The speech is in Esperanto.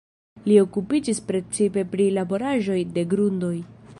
Li okupiĝis precipe pri laboraĵoj de grundoj.